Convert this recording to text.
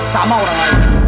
sama orang lain